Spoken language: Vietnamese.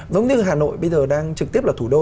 giống như hà nội bây giờ đang trực tiếp là thủ đô